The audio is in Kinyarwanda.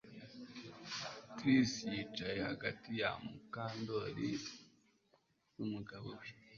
Trix yicaye hagati ya Mukandoli numugabo we